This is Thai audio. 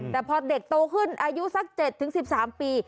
แต่พอเด็กโตขึ้นอายุสัก๗๑๓ปี